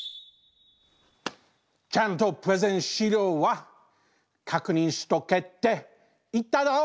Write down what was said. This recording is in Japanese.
ちゃんとプレゼン資料は確認しとけって言ったろう！？